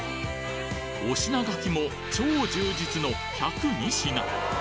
おしながきも超充実の１０２品